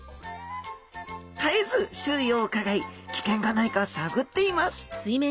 絶えず周囲をうかがい危険がないか探っています。